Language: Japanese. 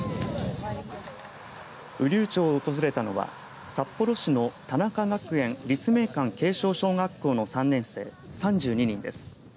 雨竜町を訪れたのは札幌市の田中学園立命館慶祥小学校の３年生３２人です。